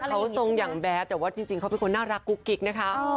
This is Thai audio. เขาทรงอย่างแบดแต่ว่าจริงเขาเป็นคนน่ารักกุ๊กกิ๊กนะคะ